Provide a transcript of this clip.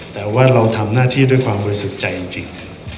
แต่ว่าเราทำหน้าที่ด้วยความบริสุทธิ์ใจจริง